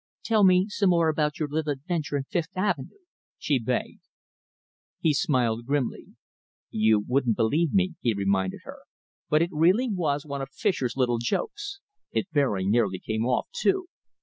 "Tell me some more about your little adventure in Fifth Avenue?" she begged. He smiled grimly. "You wouldn't believe me," he reminded her, "but it really was one of Fischer's little jokes. It very nearly came off, too.